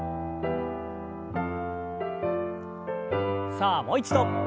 さあもう一度。